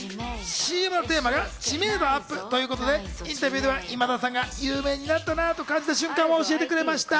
ＣＭのテーマが知名度アップということで、インタビューでは今田さんが有名になったなぁと感じた瞬間を教えてくれました。